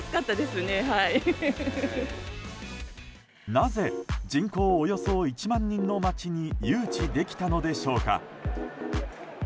なぜ人口およそ１万人の町に誘致できたのでしょうか？